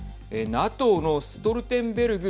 ＮＡＴＯのストルテンベルグ